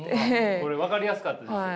これ分かりやすかったですよね。